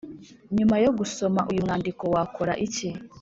nyuma yo gusoma uyu mwandiko wakora iki